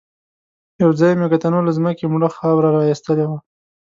يوځای مېږتنو له ځمکې مړه خاوره را ايستلې وه.